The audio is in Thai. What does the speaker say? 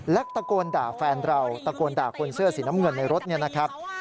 และตะโกนด่าแฟนเราตะโกนด่าคนเสื้อสีน้ำเงินในรถเนี่ยนะครับ